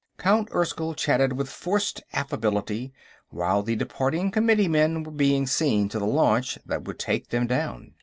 Count Erskyll chatted with forced affability while the departing committeemen were being seen to the launch that would take them down.